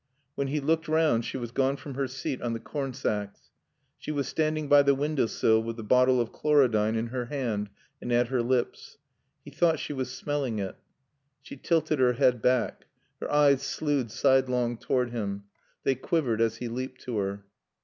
When he looked round she was gone from her seat on the cornsacks. She was standing by the window sill with the bottle of chlorodyne in her hand and at her lips. He thought she was smelling it. She tilted her head back. Her eyes slewed sidelong toward him. They quivered as he leaped to her.